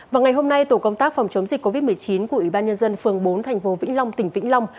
vào ngày hôm nay tổ công tác phòng chống dịch covid một mươi chín của ủy ban nhân dân phường bốn thành phố vĩnh long tỉnh vĩnh long